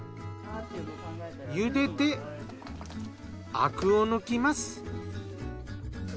ゆでてアクを抜きます。